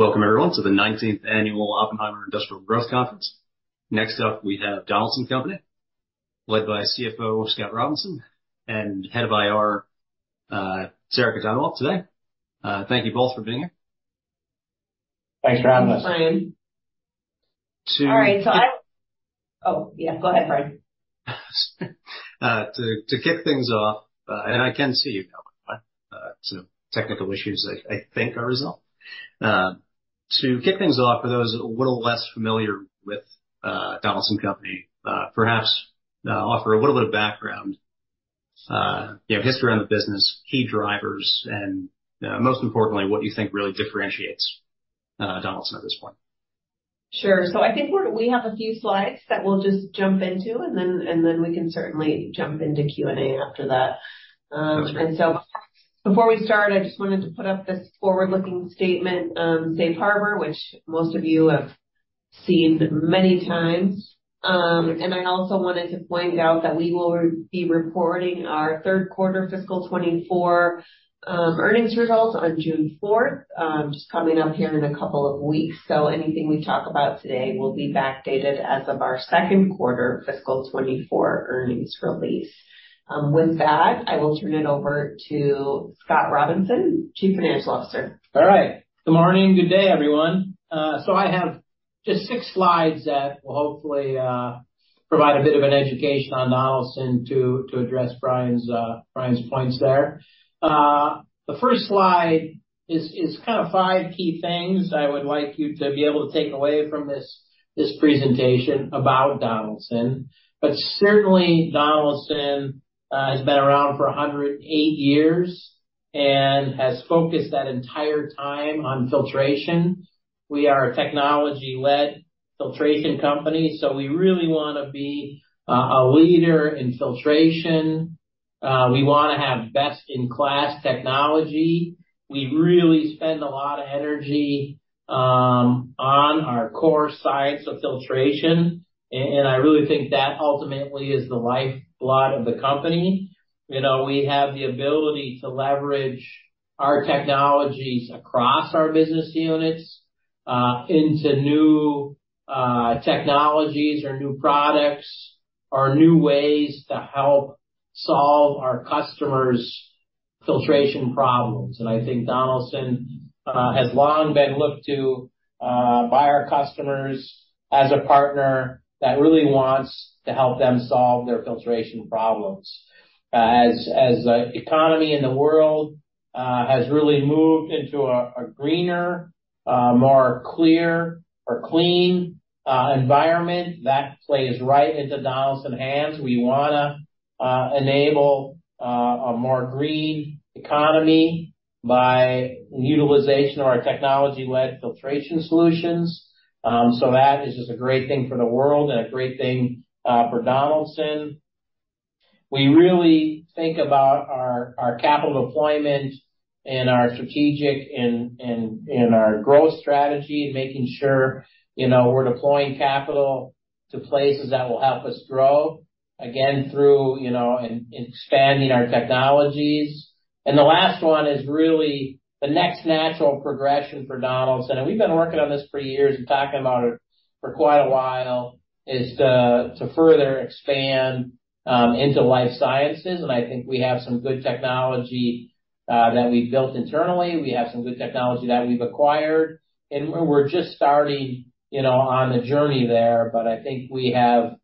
Welcome, everyone, to the 19th annual Oppenheimer Industrial Growth Conference. Next up, we have Donaldson Company, led by CFO Scott Robinson, and head of IR, Sarika Dhadwal today. Thank you both for being here. Thanks for having us. Thanks, Bryan. To. All right, so, oh yeah, go ahead, Bryan. To kick things off, and I can see you now, by the way. Some technical issues, I think, are resolved. To kick things off, for those a little less familiar with Donaldson Company, perhaps, offer a little bit of background, you know, history on the business, key drivers, and, most importantly, what you think really differentiates Donaldson at this point. Sure. So I think we have a few slides that we'll just jump into, and then we can certainly jump into Q&A after that. So before we start, I just wanted to put up this forward-looking statement, Safe Harbor, which most of you have seen many times. I also wanted to point out that we will be reporting our third quarter fiscal 2024 earnings results on June 4th, just coming up here in a couple of weeks. So anything we talk about today will be backdated as of our second quarter fiscal 2024 earnings release. With that, I will turn it over to Scott Robinson, Chief Financial Officer. All right. Good morning. Good day, everyone. I have just six slides that will hopefully provide a bit of an education on Donaldson to address Bryan's points there. The first slide is kind of five key things I would like you to be able to take away from this presentation about Donaldson. But certainly, Donaldson has been around for 108 years and has focused that entire time on filtration. We are a technology-led filtration company, so we really wanna be a leader in filtration. We wanna have best-in-class technology. We really spend a lot of energy on our core science of filtration. And I really think that ultimately is the lifeblood of the company. You know, we have the ability to leverage our technologies across our business units into new technologies or new products or new ways to help solve our customers' filtration problems. And I think Donaldson has long been looked to by our customers as a partner that really wants to help them solve their filtration problems. As the economy in the world has really moved into a greener, more clear or clean, environment, that plays right into Donaldson's hands. We wanna enable a more green economy by utilization of our technology-led filtration solutions. So that is just a great thing for the world and a great thing for Donaldson. We really think about our capital deployment and our strategic and our growth strategy and making sure, you know, we're deploying capital to places that will help us grow again through, you know, in expanding our technologies. And the last one is really the next natural progression for Donaldson. And we've been working on this for years and talking about it for quite a while is to, to further expand, into Life Sciences. And I think we have some good technology, that we've built internally. We have some good technology that we've acquired. And we're just starting, you know, on the journey there. But I think we have,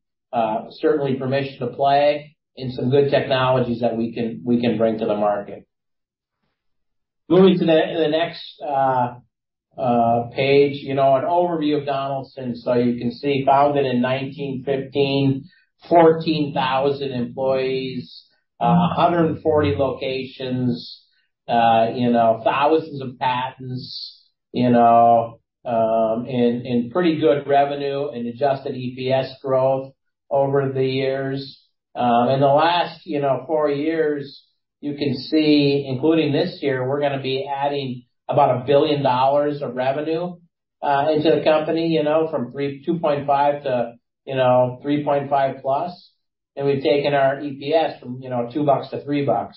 certainly permission to play in some good technologies that we can we can bring to the market. Moving to the, the next, page, you know, an overview of Donaldson so you can see founded in 1915, 14,000 employees, 140 locations, you know, thousands of patents, you know, and, and pretty good revenue and adjusted EPS growth over the years. In the last, you know, four years, you can see, including this year, we're gonna be adding about $1 billion of revenue into the company, you know, from $3.25 to, you know, $3.5+. And we've taken our EPS from, you know, $2- $3.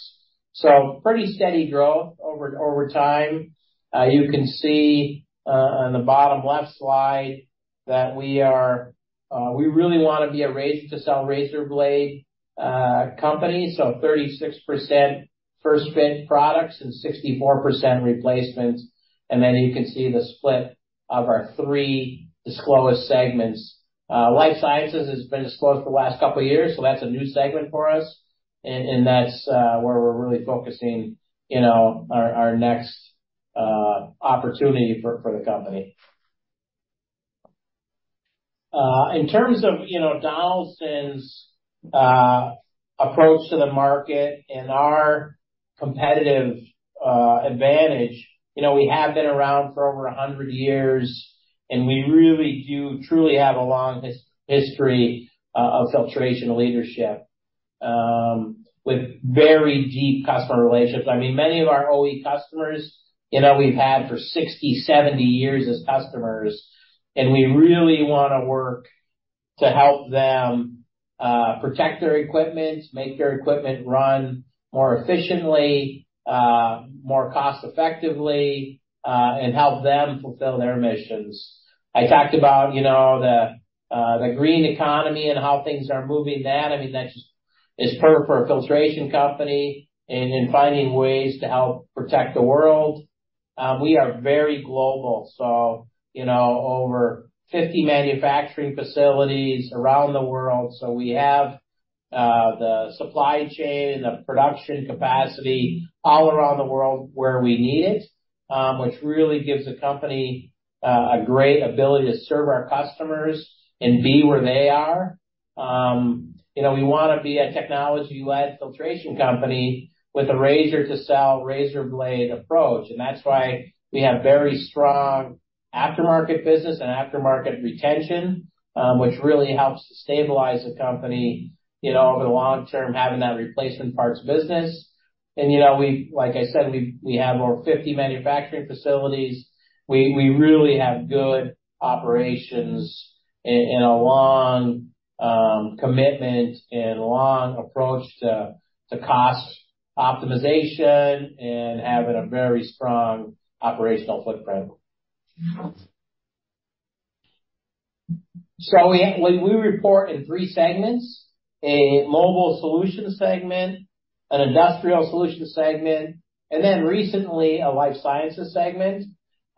So pretty steady growth over, over time. You can see, on the bottom left slide that we are, we really wanna be a razor-to-sell razor blade company. So 36% first-fit products and 64% replacements. And then you can see the split of our three disclosed segments. Life Sciences has been disclosed the last couple of years, so that's a new segment for us. And, and that's where we're really focusing, you know, our, our next opportunity for, for the company. In terms of, you know, Donaldson's approach to the market and our competitive advantage, you know, we have been around for over 100 years, and we really do truly have a long history of filtration leadership, with very deep customer relationships. I mean, many of our OE customers, you know, we've had for 60, 70 years as customers. And we really wanna work to help them protect their equipment, make their equipment run more efficiently, more cost-effectively, and help them fulfill their missions. I talked about, you know, the, the green economy and how things are moving that. I mean, that just is par for a filtration company and, and finding ways to help protect the world. We are very global, so, you know, over 50 manufacturing facilities around the world. So we have the supply chain and the production capacity all around the world where we need it, which really gives the company a great ability to serve our customers and be where they are. You know, we wanna be a technology-led filtration company with a razor-to-sell razor blade approach. And that's why we have very strong aftermarket business and aftermarket retention, which really helps to stabilize the company, you know, over the long term, having that replacement parts business. And, you know, like I said, we have over 50 manufacturing facilities. We really have good operations and a long commitment and long approach to cost optimization and having a very strong operational footprint. So we report in three segments: a Mobile Solutions segment, an Industrial Solutions segment, and then recently, a Life Sciences segment.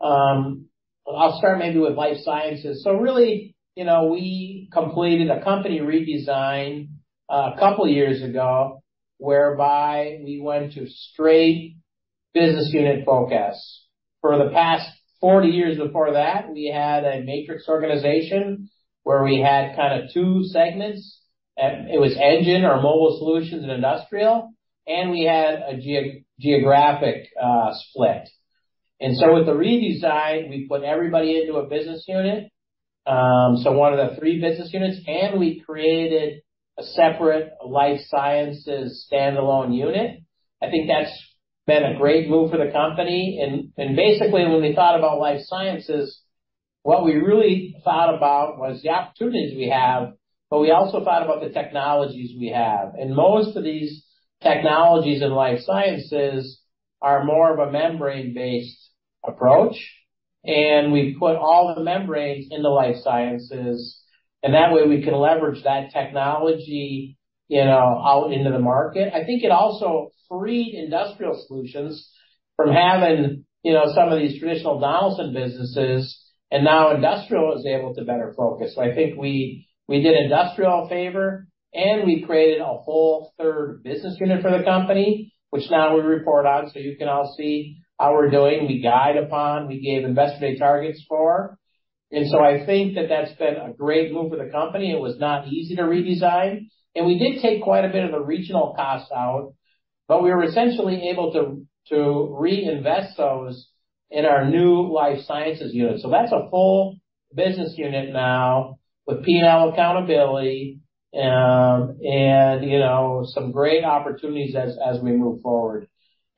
I'll start maybe with Life Sciences. So really, you know, we completed a company redesign, a couple of years ago whereby we went to straight business unit focus. For the past 40 years before that, we had a matrix organization where we had kinda two segments. It was engine or Mobile Solutions and Industrial. And we had a geographic split. And so with the redesign, we put everybody into a business unit, so one of the three business units. And we created a separate Life Sciences standalone unit. I think that's been a great move for the company. And basically, when we thought about Life Sciences, what we really thought about was the opportunities we have, but we also thought about the technologies we have. And most of these technologies in Life Sciences are more of a membrane-based approach. And we put all the membranes in the Life Sciences. And that way, we can leverage that technology, you know, out into the market. I think it also freed Industrial Solutions from having, you know, some of these traditional Donaldson businesses. And now, Industrial Solutions is able to better focus. So I think we, we did Industrial Solutions a favor, and we created a whole third business unit for the company, which now we report on. So you can all see how we're doing. We guide upon. We gave investor-day targets for. And so I think that that's been a great move for the company. It was not easy to redesign. And we did take quite a bit of the regional cost out, but we were essentially able to, to reinvest those in our new Life Sciences unit. So that's a full business unit now with P&L accountability, and, you know, some great opportunities as, as we move forward.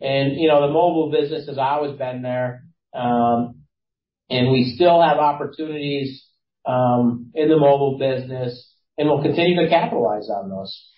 You know, the Mobile business has always been there. And we still have opportunities in the Mobile business, and we'll continue to capitalize on those.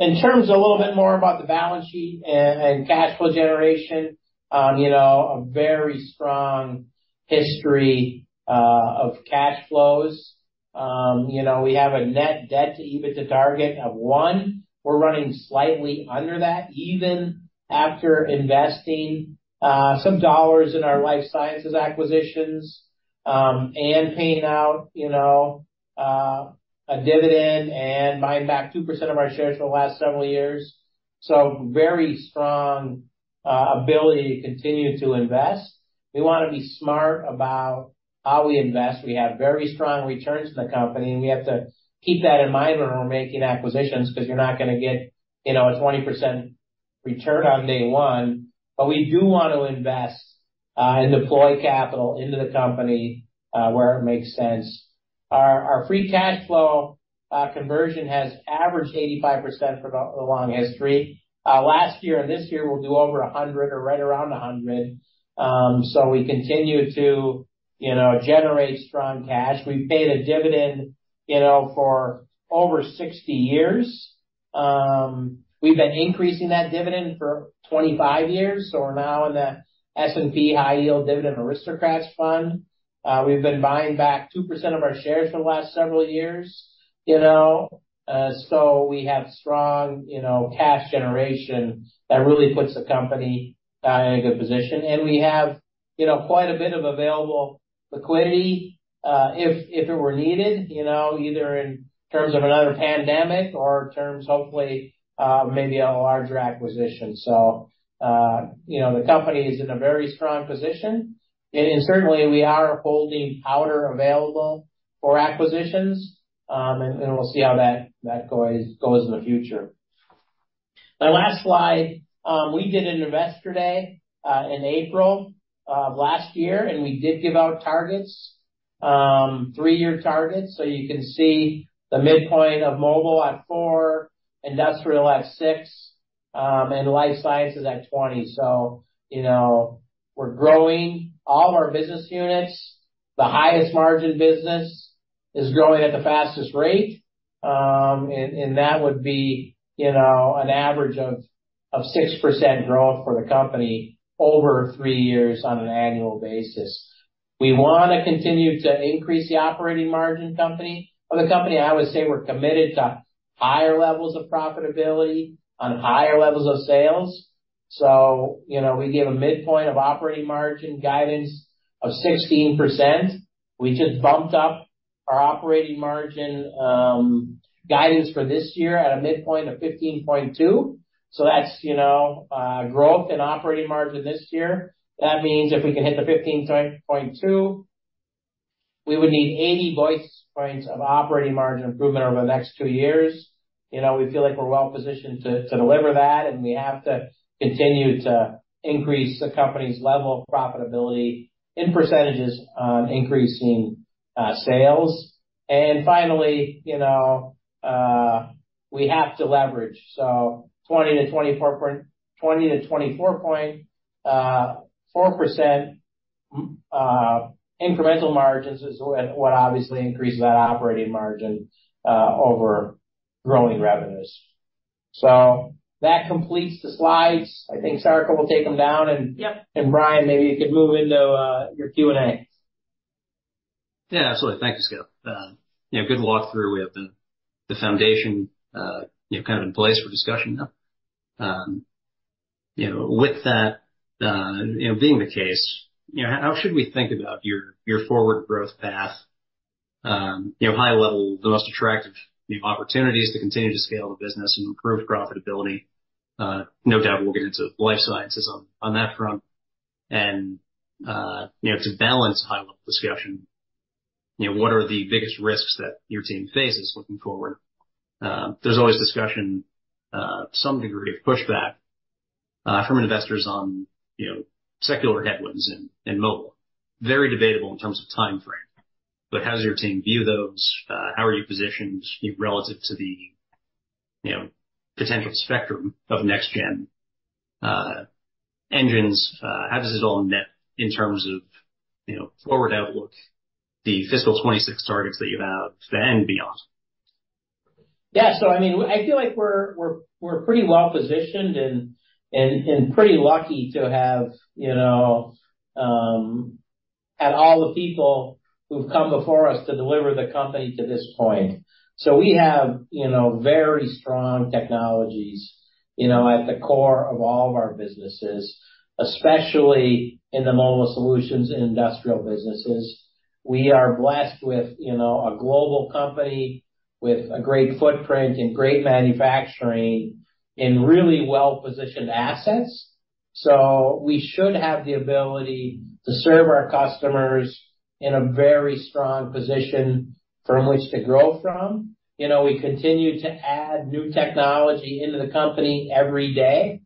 In terms of a little bit more about the balance sheet and cash flow generation, you know, a very strong history of cash flows. You know, we have a net debt to EBITDA target of 1. We're running slightly under that even after investing some dollars in our Life Sciences acquisitions, and paying out, you know, a dividend and buying back 2% of our shares for the last several years. So very strong ability to continue to invest. We wanna be smart about how we invest. We have very strong returns in the company. And we have to keep that in mind when we're making acquisitions 'cause you're not gonna get, you know, a 20% return on day one. But we do wanna invest, and deploy capital into the company, where it makes sense. Our free cash flow conversion has averaged 85% for the long history. Last year and this year, we'll do over 100 or right around 100. So we continue to, you know, generate strong cash. We've paid a dividend, you know, for over 60 years. We've been increasing that dividend for 25 years. So we're now in the S&P High Yield Dividend Aristocrats Fund. We've been buying back 2% of our shares for the last several years, you know. So we have strong, you know, cash generation that really puts the company in a good position. And we have, you know, quite a bit of available liquidity, if it were needed, you know, either in terms of another pandemic or in terms, hopefully, maybe a larger acquisition. So, you know, the company is in a very strong position. And certainly, we are holding powder available for acquisitions. And we'll see how that goes in the future. My last slide, we did an investor day, in April, of last year. And we did give out targets, three-year targets. So you can see the midpoint of Mobile at 4, industrial at 6, and Life Sciences at 20. So, you know, we're growing. All of our business units, the highest margin business is growing at the fastest rate. And that would be, you know, an average of 6% growth for the company over three years on an annual basis. We wanna continue to increase the operating margin company of the company. I would say we're committed to higher levels of profitability on higher levels of sales. So, you know, we gave a midpoint of operating margin guidance of 16%. We just bumped up our operating margin guidance for this year at a midpoint of 15.2%. So that's, you know, growth in operating margin this year. That means if we can hit the 15.2%, we would need 80 points of operating margin improvement over the next two years. You know, we feel like we're well-positioned to deliver that. And we have to continue to increase the company's level of profitability in percentages increasing sales. And finally, you know, we have to leverage. So 20- to 24-point 20- to 24-point 4% incremental margins is what obviously increases that operating margin over growing revenues. So that completes the slides. I think Sarika will take them down. Yep. Bryan, maybe you could move into your Q&A. Yeah. Absolutely. Thank you, Scott. You know, good walkthrough. We have been the foundation, you know, kind of in place for discussion now. You know, with that, you know, being the case, you know, how, how should we think about your, your forward growth path, you know, high level, the most attractive, you know, opportunities to continue to scale the business and improve profitability? No doubt, we'll get into Life Sciences on, on that front. And, you know, to balance high-level discussion, you know, what are the biggest risks that your team faces looking forward? There's always discussion, some degree of pushback, from investors on, you know, secular headwinds in, in Mobile. Very debatable in terms of timeframe. But how does your team view those? How are you positioned, you know, relative to the, you know, potential spectrum of next-gen engines? How does this all net in terms of, you know, forward outlook, the fiscal 2026 targets that you have to end beyond? Yeah. So I mean, I feel like we're pretty well-positioned and pretty lucky to have, you know, had all the people who've come before us to deliver the company to this point. So we have, you know, very strong technologies, you know, at the core of all of our businesses, especially in the Mobile Solutions and Industrial businesses. We are blessed with, you know, a global company with a great footprint and great manufacturing and really well-positioned assets. So we should have the ability to serve our customers in a very strong position from which to grow from. You know, we continue to add new technology into the company every day.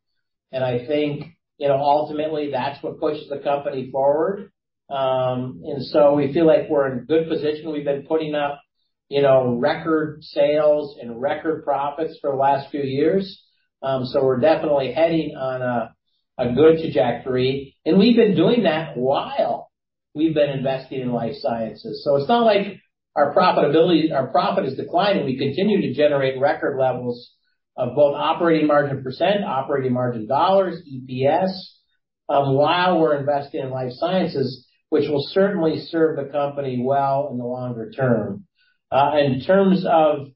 And I think, you know, ultimately, that's what pushes the company forward. And so we feel like we're in good position. We've been putting up, you know, record sales and record profits for the last few years. So we're definitely heading on a good trajectory. And we've been doing that while we've been investing in Life Sciences. So it's not like our profitability our profit is declining. We continue to generate record levels of both operating margin percent, operating margin dollars, EPS, while we're investing in Life Sciences, which will certainly serve the company well in the longer term. In terms of,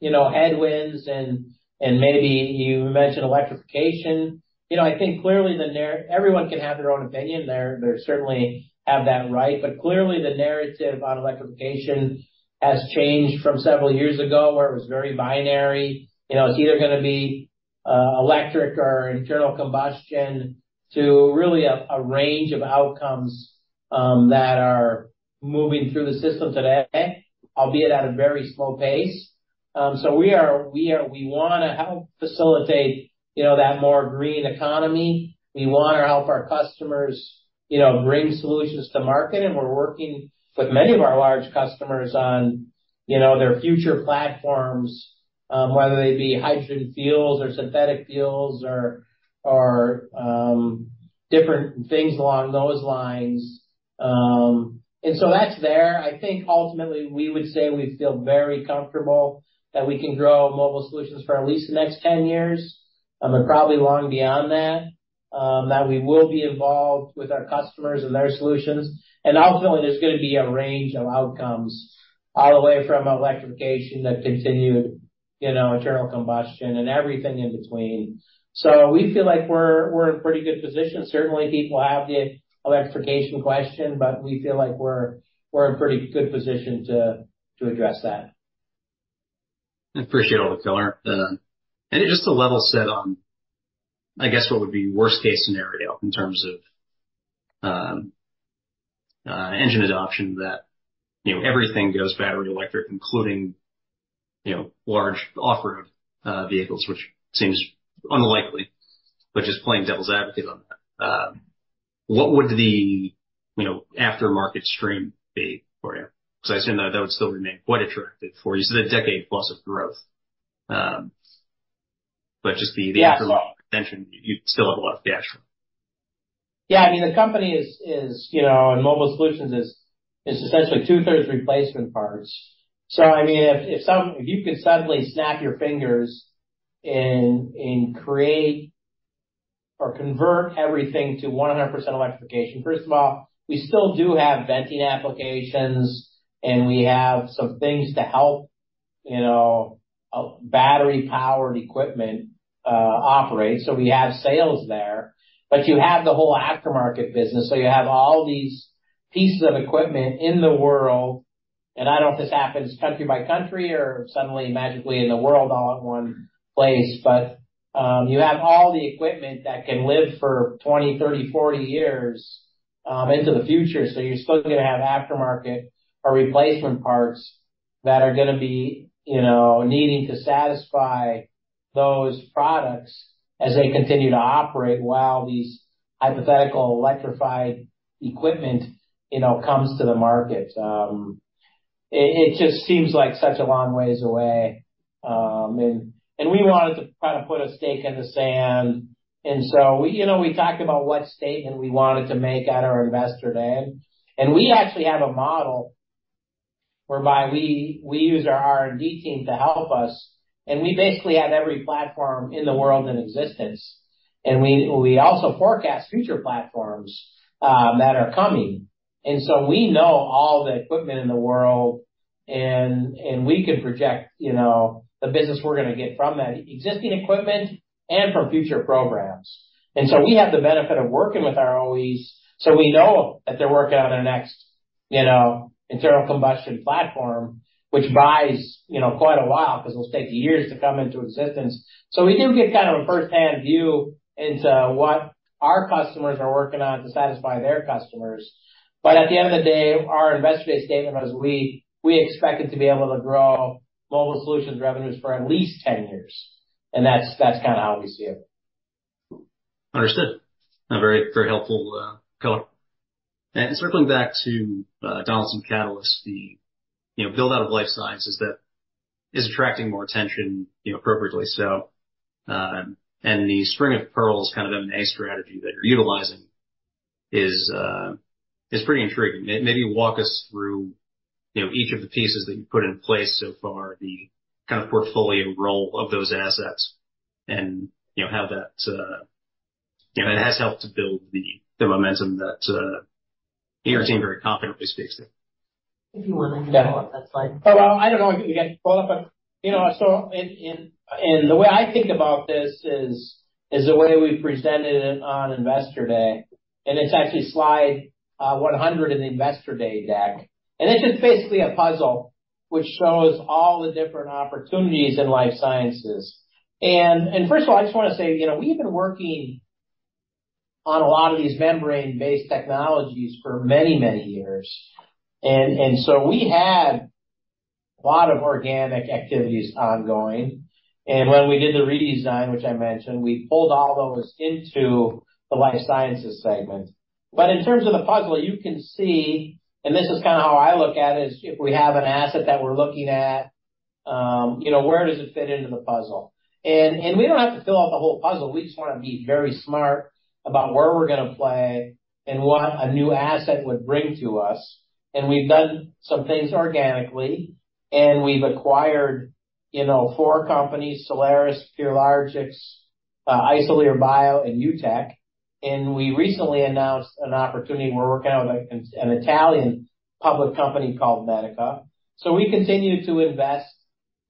you know, headwinds and, and maybe you mentioned electrification, you know, I think clearly, the narrative everyone can have their own opinion. They're, they're certainly have that right. But clearly, the narrative on electrification has changed from several years ago where it was very binary. You know, it's either gonna be electric or internal combustion to really a range of outcomes that are moving through the system today, albeit at a very slow pace. So we are we wanna help facilitate, you know, that more green economy. We wanna help our customers, you know, bring solutions to market. And we're working with many of our large customers on, you know, their future platforms, whether they be hydrogen fuels or synthetic fuels or different things along those lines. And so that's there. I think ultimately, we would say we feel very comfortable that we can grow Mobile Solutions for at least the next 10 years, and probably long beyond that, that we will be involved with our customers and their solutions. And ultimately, there's gonna be a range of outcomes all the way from electrification to continued, you know, internal combustion and everything in between. So we feel like we're, we're in pretty good position. Certainly, people have the electrification question, but we feel like we're, we're in pretty good position to, to address that. I appreciate all the filler, and it just to level set on, I guess, what would be worst-case scenario in terms of engine adoption that, you know, everything goes battery electric, including, you know, large off-road vehicles, which seems unlikely, but just playing devil's advocate on that. What would the, you know, aftermarket stream be for you? 'Cause I assume that that would still remain quite attractive for you. You said a decade-plus of growth, but just the, the aftermarket. Yeah. So. Retention, you'd still have a lot of cash flow. Yeah. I mean, the company is, you know, and Mobile Solutions is essentially 2/3 replacement parts. So I mean, if you could suddenly snap your fingers and create or convert everything to 100% electrification, first of all, we still do have venting applications. And we have some things to help, you know, battery-powered equipment operate. So we have sales there. But you have the whole aftermarket business. So you have all these pieces of equipment in the world. And I don't know if this happens country by country or suddenly, magically, in the world all at one place. But you have all the equipment that can live for 20, 30, 40 years into the future. So you're still gonna have aftermarket or replacement parts that are gonna be, you know, needing to satisfy those products as they continue to operate while these hypothetical electrified equipment, you know, comes to the market. It just seems like such a long ways away. We wanted to kinda put a stake in the sand. So we, you know, we talked about what statement we wanted to make at our investor day. We actually have a model whereby we, we use our R&D team to help us. We basically have every platform in the world in existence. We, we also forecast future platforms that are coming. So we know all the equipment in the world. We can project, you know, the business we're gonna get from that existing equipment and from future programs. And so we have the benefit of working with our OEs. So we know that they're working on their next, you know, internal combustion platform, which buys, you know, quite a while 'cause it'll take years to come into existence. So we do get kind of a firsthand view into what our customers are working on to satisfy their customers. But at the end of the day, our investor day statement was we, we expected to be able to grow Mobile Solutions revenues for at least 10 years. And that's, that's kinda how we see it. Understood. A very, very helpful color. And circling back to Donaldson Catalyst, the, you know, build-out of Life Sciences that is attracting more attention, you know, appropriately. So, and the string of pearls kind of M&A strategy that you're utilizing is, is pretty intriguing. Maybe you walk us through, you know, each of the pieces that you put in place so far, the kind of portfolio role of those assets and, you know, how that, you know, it has helped to build the, the momentum that your team very confidently speaks to. If you wanna follow up that slide. Yeah. Oh, well, I don't know. I guess we got to follow up on, you know, I saw in the way I think about this is the way we presented it on investor day. And it's actually slide 100 in the Investor Day deck. And it's just basically a puzzle which shows all the different opportunities in Life Sciences. And first of all, I just wanna say, you know, we've been working on a lot of these membrane-based technologies for many, many years. And so we had a lot of organic activities ongoing. And when we did the redesign, which I mentioned, we pulled all those into the Life Sciences segment. But in terms of the puzzle, you can see and this is kinda how I look at it is if we have an asset that we're looking at, you know, where does it fit into the puzzle? And we don't have to fill out the whole puzzle. We just wanna be very smart about where we're gonna play and what a new asset would bring to us. And we've done some things organically. And we've acquired, you know, four companies: Solaris, Purilogics, Isolere Bio, and UTEC. And we recently announced an opportunity. We're working out with an Italian public company called Medica. So we continue to invest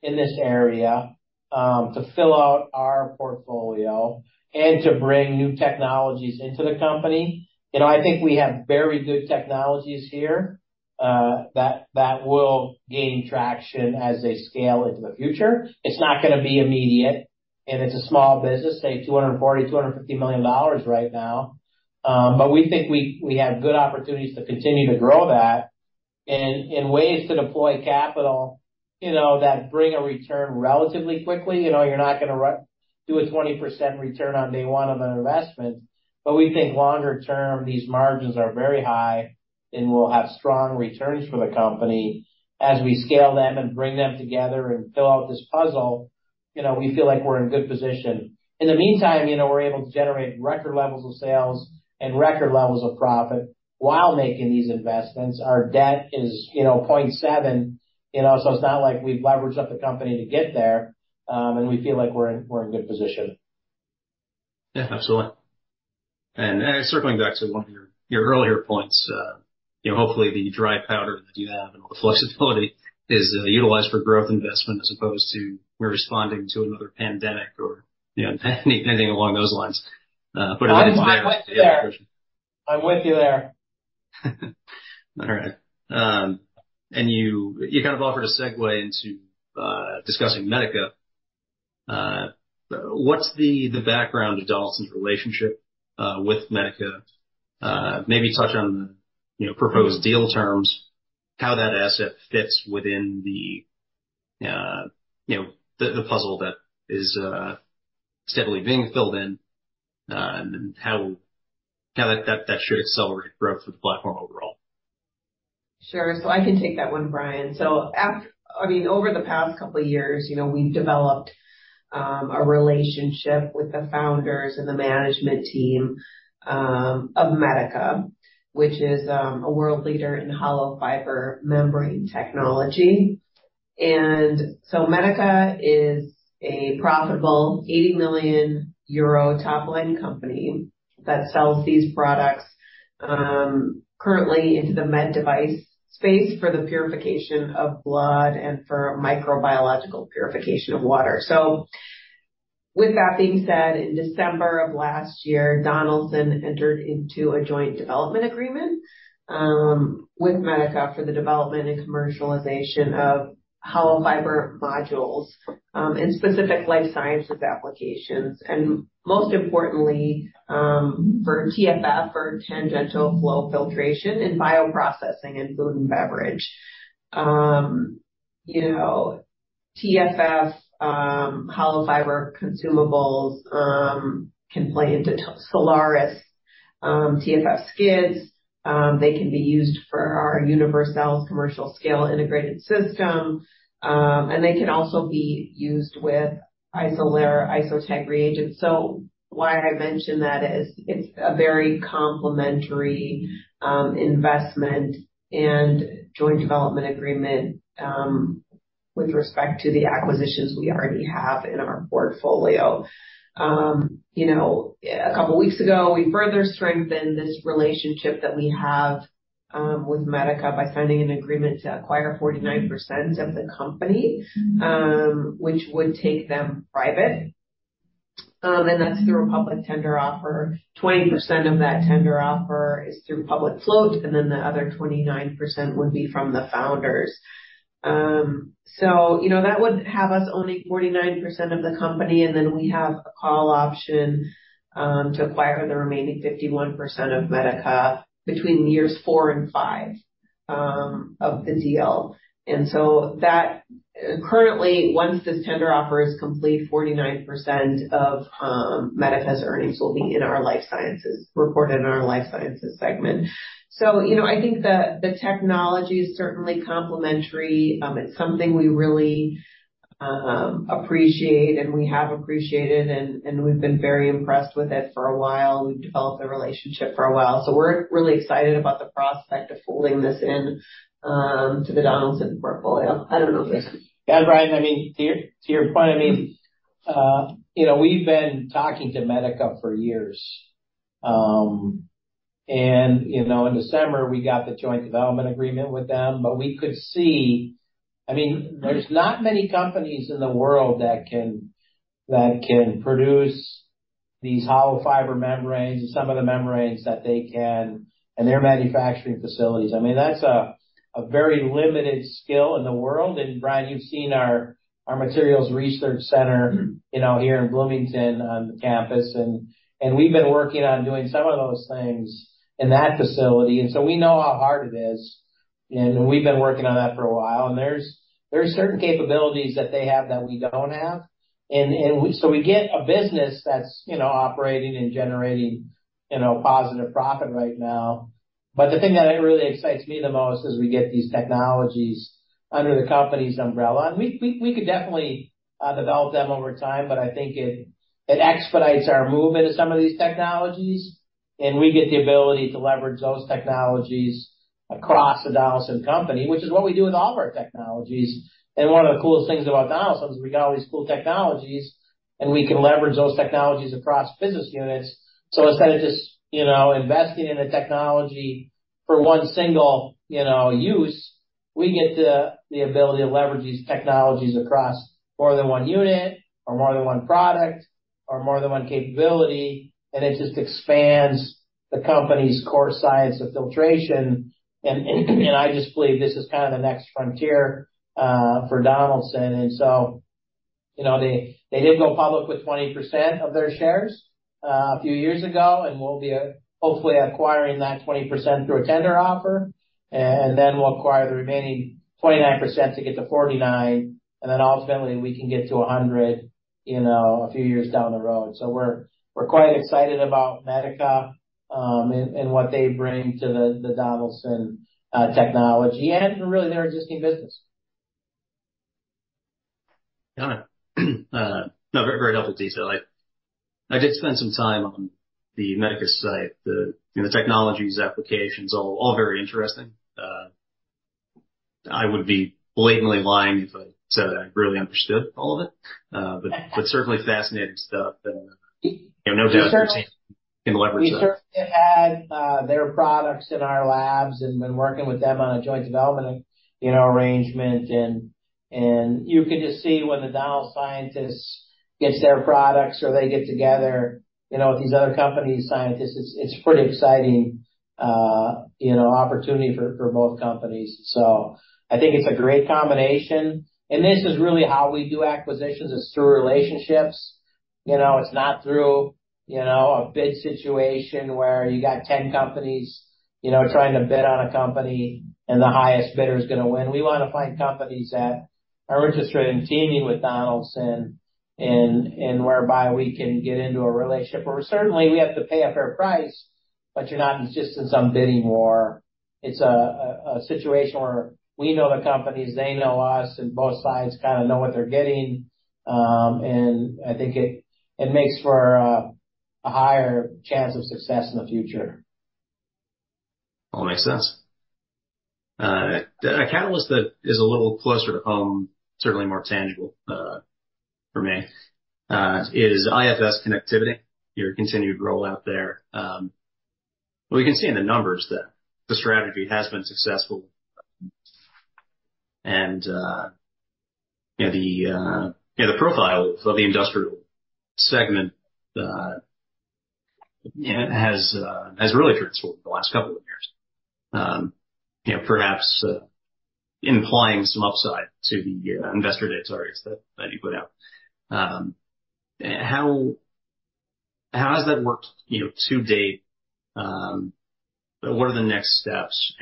in this area, to fill out our portfolio and to bring new technologies into the company. You know, I think we have very good technologies here that will gain traction as they scale into the future. It's not gonna be immediate. It's a small business, say, $240 million-$250 million right now. We think we have good opportunities to continue to grow that in ways to deploy capital, you know, that bring a return relatively quickly. You know, you're not gonna run do a 20% return on day one of an investment. We think longer term, these margins are very high. We'll have strong returns for the company. As we scale them and bring them together and fill out this puzzle, you know, we feel like we're in good position. In the meantime, you know, we're able to generate record levels of sales and record levels of profit while making these investments. Our debt is, you know, 0.7, you know. It's not like we've leveraged up the company to get there. And we feel like we're in good position. Yeah. Absolutely. And circling back to one of your, your earlier points, you know, hopefully, the dry powder that you have and all the flexibility is utilized for growth investment as opposed to we're responding to another pandemic or, you know, any, anything along those lines, putting it in there. I'm with you there. I'm with you there. All right. And you kind of offered a segue into discussing Medica. What's the background to Donaldson's relationship with Medica? Maybe touch on the, you know, proposed deal terms, how that asset fits within the, you know, the puzzle that is steadily being filled in, and then how that should accelerate growth for the platform overall. Sure. So I can take that one, Bryan. So, I mean, over the past couple of years, you know, we've developed a relationship with the founders and the management team of Medica, which is a world leader in hollow fiber membrane technology. And so Medica is a profitable 80 million euro top-line company that sells these products, currently into the med device space for the purification of blood and for microbiological purification of water. So with that being said, in December of last year, Donaldson entered into a joint development agreement with Medica for the development and commercialization of hollow fiber modules in specific Life Sciences applications. And most importantly, for TFF, for tangential flow filtration in bioprocessing in food and beverage. You know, TFF hollow fiber consumables can play into the Solaris TFF skids. They can be used for our Univercells commercial scale integrated system. And they can also be used with Isolere IsoTag reagents. So why I mention that is it's a very complementary investment and joint development agreement with respect to the acquisitions we already have in our portfolio. You know, a couple of weeks ago, we further strengthened this relationship that we have with Medica by signing an agreement to acquire 49% of the company, which would take them private. And that's through a public tender offer. 20% of that tender offer is through public float. And then the other 29% would be from the founders. So, you know, that would have us owning 49% of the company. And then we have a call option to acquire the remaining 51% of Medica between years 4 and 5 of the deal. And so that currently, once this tender offer is complete, 49% of Medica's earnings will be in our Life Sciences reported in our Life Sciences segment. So, you know, I think the technology is certainly complementary. It's something we really appreciate. And we have appreciated it. And we've been very impressed with it for a while. We've developed a relationship for a while. So we're really excited about the prospect of folding this into the Donaldson portfolio. I don't know if there's. Yeah. Bryan, I mean, to your point, I mean, you know, we've been talking to Medica for years. You know, in December, we got the joint development agreement with them. But we could see, I mean, there's not many companies in the world that can produce these hollow fiber membranes and some of the membranes that they can and their manufacturing facilities. I mean, that's a very limited skill in the world. And Bryan, you've seen our Materials Research Center, you know, here in Bloomington on the campus. And we've been working on doing some of those things in that facility. And so we know how hard it is. And we've been working on that for a while. And there's certain capabilities that they have that we don't have. And we get a business that's, you know, operating and generating, you know, positive profit right now. But the thing that really excites me the most is we get these technologies under the company's umbrella. And we could definitely develop them over time. But I think it expedites our movement of some of these technologies. And we get the ability to leverage those technologies across the Donaldson company, which is what we do with all of our technologies. And one of the coolest things about Donaldson is we got all these cool technologies. And we can leverage those technologies across business units. So instead of just, you know, investing in a technology for one single, you know, use, we get the ability to leverage these technologies across more than one unit or more than one product or more than one capability. And it just expands the company's core science of filtration. And I just believe this is kinda the next frontier for Donaldson. And so, you know, they did go public with 20% of their shares a few years ago. And we'll hopefully be acquiring that 20% through a tender offer. And then we'll acquire the remaining 29% to get to 49%. And then ultimately, we can get to 100%, you know, a few years down the road. So we're quite excited about Medica, and what they bring to the Donaldson technology and really their existing business. Got it. No, very, very helpful detail. I, I did spend some time on the Medica site, the, you know, the technologies applications, all, all very interesting. I would be blatantly lying if I said that I really understood all of it, but, but certainly fascinating stuff. And, you know, no doubt your team can leverage that. Researchers had their products in our labs and been working with them on a joint development, you know, arrangement. And you could just see when the Donaldson scientists get their products or they get together, you know, with these other companies' scientists. It's pretty exciting, you know, opportunity for both companies. So I think it's a great combination. And this is really how we do acquisitions. It's through relationships. You know, it's not through, you know, a bid situation where you got 10 companies, you know, trying to bid on a company. And the highest bidder's gonna win. We wanna find companies that are interested in teaming with Donaldson and whereby we can get into a relationship where certainly we have to pay a fair price. But you're not just in some bidding war. It's a situation where we know the companies. They know us. And both sides kinda know what they're getting. And I think it makes for a higher chance of success in the future. All makes sense. The catalyst that is a little closer to home, certainly more tangible, for me, is IFS connectivity, your continued rollout there. We can see in the numbers that the strategy has been successful. You know, the profile of the industrial segment has really transformed the last couple of years, you know, perhaps implying some upside to the investor day targets that you put out. How has that worked, you know, to date? What are the next steps?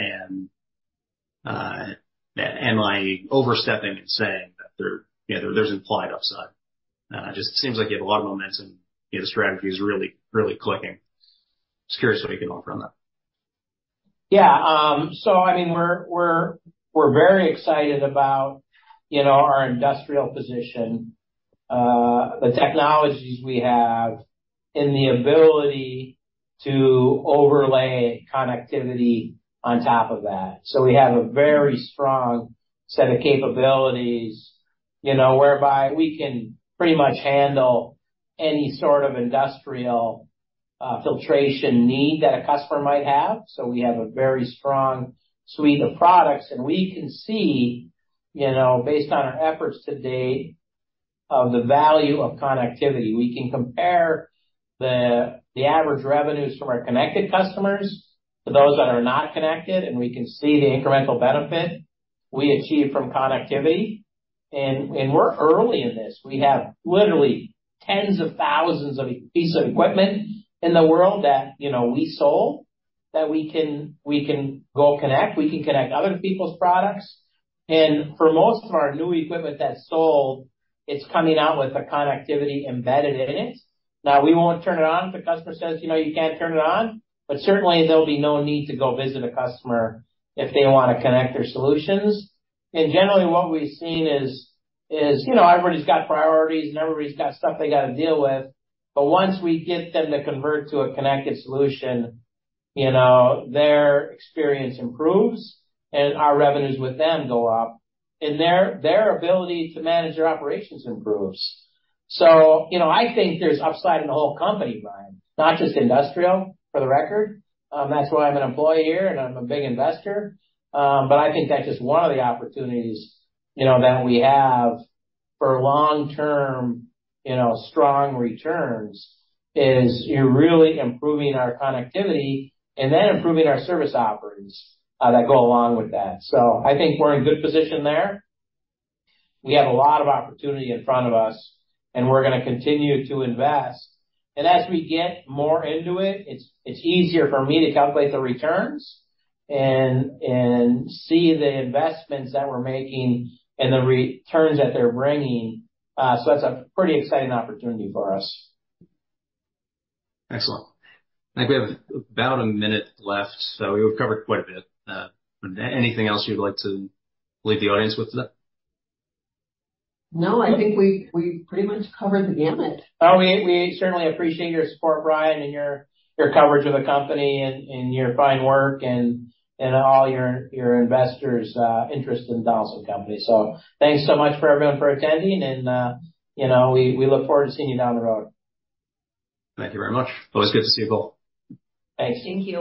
Am I overstepping and saying that there, you know, there's implied upside? Just, it seems like you have a lot of momentum. You know, the strategy is really, really clicking. Just curious what you can offer on that. Yeah. So, I mean, we're very excited about, you know, our industrial position, the technologies we have, and the ability to overlay connectivity on top of that. So we have a very strong set of capabilities, you know, whereby we can pretty much handle any sort of industrial filtration need that a customer might have. So we have a very strong suite of products. And we can see, you know, based on our efforts to date of the value of connectivity, we can compare the average revenues from our connected customers to those that are not connected. And we can see the incremental benefit we achieve from connectivity. And we're early in this. We have literally tens of thousands of pieces of equipment in the world that, you know, we sold that we can go connect. We can connect other people's products. And for most of our new equipment that's sold, it's coming out with a connectivity embedded in it. Now, we won't turn it on if the customer says, "You know, you can't turn it on." But certainly, there'll be no need to go visit a customer if they wanna connect their solutions. And generally, what we've seen is, you know, everybody's got priorities. And everybody's got stuff they gotta deal with. But once we get them to convert to a connected solution, you know, their experience improves. And our revenues with them go up. And their ability to manage their operations improves. So, you know, I think there's upside in the whole company, Bryan, not just industrial, for the record. That's why I'm an employee here. And I'm a big investor. But I think that's just one of the opportunities, you know, that we have for long-term, you know, strong returns. Is you're really improving our connectivity and then improving our service offerings that go along with that. So I think we're in good position there. We have a lot of opportunity in front of us. And we're gonna continue to invest. And as we get more into it, it's easier for me to calculate the returns and see the investments that we're making and the returns that they're bringing. So that's a pretty exciting opportunity for us. Excellent. I think we have about a minute left. We've covered quite a bit. Anything else you'd like to leave the audience with today? No. I think we pretty much covered the gamut. Oh, we certainly appreciate your support, Bryan, and your coverage of the company and your fine work and all your investors' interest in Donaldson Company. So, thanks so much to everyone for attending. You know, we look forward to seeing you down the road. Thank you very much. Always good to see you both. Thanks. Thank you.